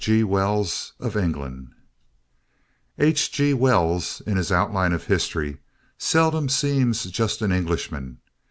G. Wells of England H. G. Wells in his Outline of History seldom seems just an Englishman.